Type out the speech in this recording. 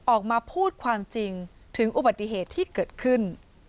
ออกมาพูดความจริงถึงอุบัติเหตุที่เกิดขึ้น